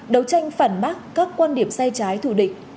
đấu tranh phản bác các quan điểm sai trái thù địch